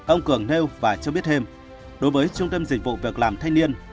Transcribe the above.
ông cường nêu và cho biết thêm đối với trung tâm dịch vụ việc làm thanh niên